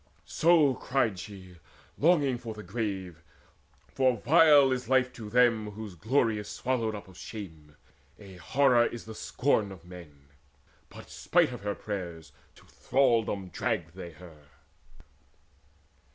So cried she, longing for the grave; for vile Is life to them whose glory is swallowed up Of shame: a horror is the scorn of men. But, spite her prayers, to thraldom dragged they her.